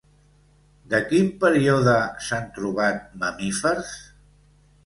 De quin període s'han trobat mamífers?